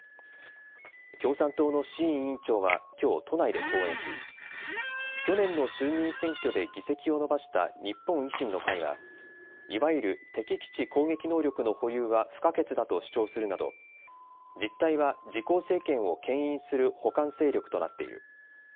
共産党の志位委員長はきょう都内で講演し去年の衆議院選挙で議席を伸ばした日本維新の会はいわゆる敵基地攻撃能力の保有は不可欠だと主張するなど実態は自公政権をけん引する補完勢力となっている。